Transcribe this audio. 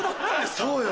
そうよ。